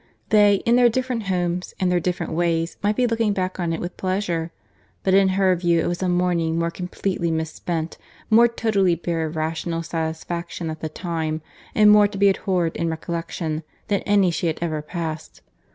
They, in their different homes, and their different ways, might be looking back on it with pleasure; but in her view it was a morning more completely misspent, more totally bare of rational satisfaction at the time, and more to be abhorred in recollection, than any she had ever passed.